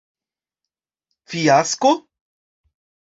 Fiasko?